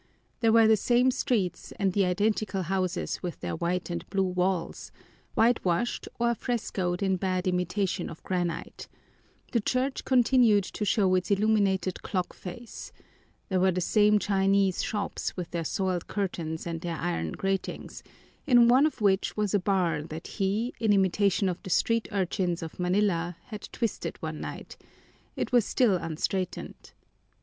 There were the same streets and the identical houses with their white and blue walls, whitewashed, or frescoed in bad imitation of granite; the church continued to show its illuminated clock face; there were the same Chinese shops with their soiled curtains and their iron gratings, in one of which was a bar that he, in imitation of the street urchins of Manila, had twisted one night; it was still unstraightened.